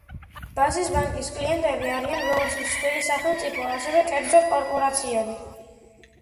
ბაზისბანკის კლიენტები არიან როგორც მსხვილი სახელმწიფო, ასევე კერძო კორპორაციები.